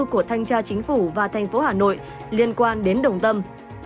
của thanh tra chính phủ và thành phố hà nội liên quan đến đồng tâm